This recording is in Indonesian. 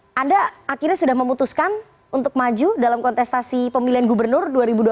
apakah anda akhirnya sudah memutuskan untuk maju dalam kontestasi pemilihan gubernur dua ribu dua puluh